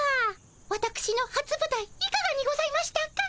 わたくしのはつぶたいいかがにございましたか？